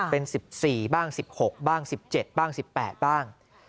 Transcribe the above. เป็น๑๔บ้าง๑๖บ้าง๑๗บ้าง๑๘บ้าง